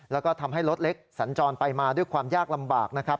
แล้วก็ทำให้รถเล็กสัญจรไปมาด้วยความยากลำบากนะครับ